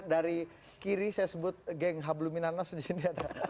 dari kiri saya sebut geng habluminanas di sini